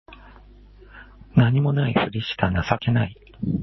何も無いふりした情けない